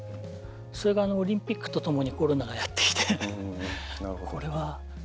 それがオリンピックとともにコロナがやって来て。